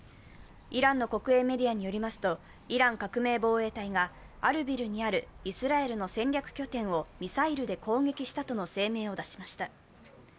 イランの国営メディアによりますと、イラン革命防衛隊がアルビルにあるイスラエルの戦略拠点をミサイルで攻撃したとの声明を出しました。